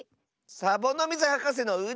サボノミズはかせのうで！